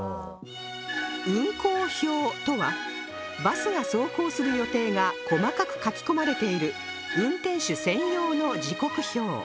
運行表とはバスが走行する予定が細かく書き込まれている運転手専用の時刻表